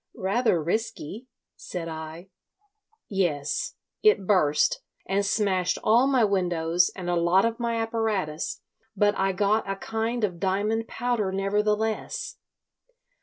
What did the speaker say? "Rather risky," said I. "Yes. It burst, and smashed all my windows and a lot of my apparatus; but I got a kind of diamond powder nevertheless.